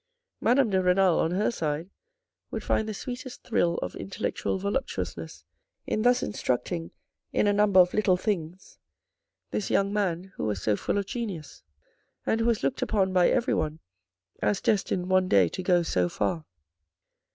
Madame de Renal, on her side, would find the sweetest thrill of intellectual voluptuousness in thus instructing in a number of little things this young man who was so full of genius, THE DAY AFTER 97 and who was looked upon by everyone as destined one day to go so far.